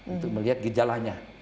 untuk melihat gejala